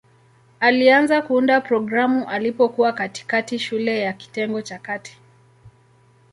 Alianza kuunda programu alipokuwa katikati shule ya kitengo cha kati.